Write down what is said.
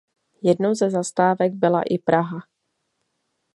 Jednou ze zastávek byla i Praha.